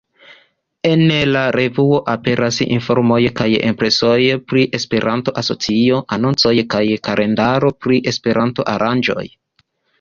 En la revuo aperas informoj kaj impresoj pri Esperanto-asocioj, anoncoj kaj kalendaro pri Esperanto-aranĝoj.